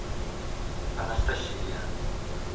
Анастасия